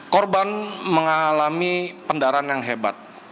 korban mengalami pendaran yang hebat